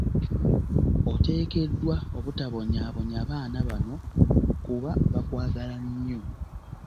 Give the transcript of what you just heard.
Oteekeddwa obutabonyaabonya baana bano kuba bakwagala nnyo.